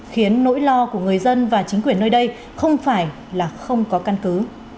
khiến nỗi lo của người dân và chính quyền nơi đây không phải là không có căn cứ